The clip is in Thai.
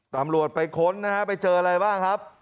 ตำรวจไปค้นนะฮะไปเจออะไรบ้างครับ